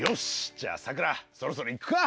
じゃあさくらそろそろ行くか。